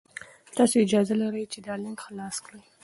تاسي اجازه لرئ چې دا لینک خلاص کړئ.